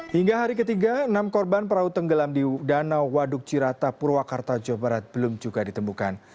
hingga hari ketiga enam korban perahu tenggelam di danau waduk cirata purwakarta jawa barat belum juga ditemukan